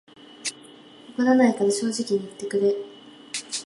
怒らないから正直に言ってくれ